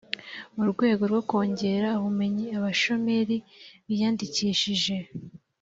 mu rwego rwo kongera ubumenyi abashomeri biyandikishije